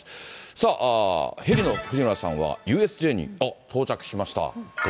さあ、ヘリの藤村さんは、ＵＳＪに到着しました。